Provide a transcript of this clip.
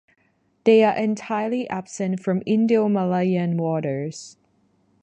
They are entirely absent from Indo-Malayan waters.